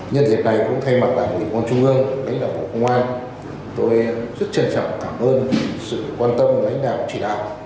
nhân dịp này cũng thay mặt đảng quỷ quan trung ương lãnh đạo của công an tôi rất trân trọng cảm ơn sự quan tâm của lãnh đạo chỉ đạo